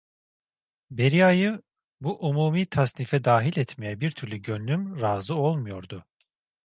Beria'yı bu umumi tasnife dahil etmeye bir türlü gönlüm razı olmuyordu.